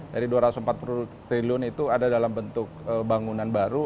jadi dua ratus empat puluh triliun itu ada dalam bentuk bangunan baru